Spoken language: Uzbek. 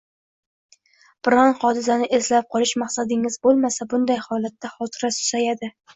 Biron hodisani eslab qolish maqsadingiz bo‘lmasa, bunday holatda xotira susayadi.